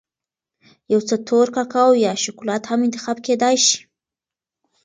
یو څه تور کاکاو یا شکولات هم انتخاب کېدای شي.